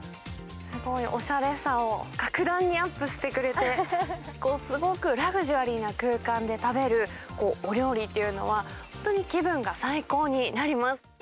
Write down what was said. すごいおしゃれさを格段にアップしてくれて、すごくラグジュアリーな空間で食べるお料理というのは、本当に気分が最高になります。